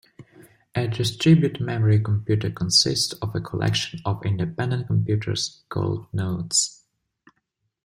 A distributed memory computer consists of a collection of independent computers, called nodes.